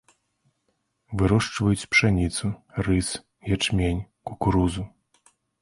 Вырошчваюць пшаніцу, рыс, ячмень, кукурузу.